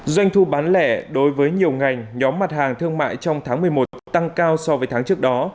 doanh thu bán lẻ đối với nhiều ngành nhóm mặt hàng thương mại trong tháng một mươi một tăng cao so với tháng trước đó